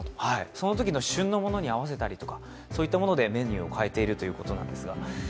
そのときの旬のものに合わせたりとか、そういったものでメニューを変えているそうです。